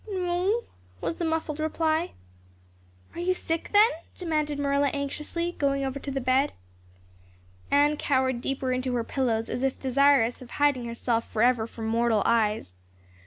"No," was the muffled reply. "Are you sick then?" demanded Marilla anxiously, going over to the bed. Anne cowered deeper into her pillows as if desirous of hiding herself forever from mortal eyes.